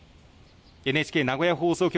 ＮＨＫ名古屋放送局